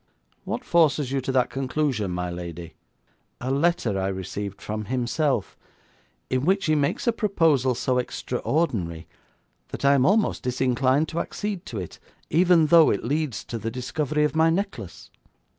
'What forces you to that conclusion, my lady?' 'A letter I received from himself, in which he makes a proposal so extraordinary that I am almost disinclined to accede to it, even though it leads to the discovery of my necklace.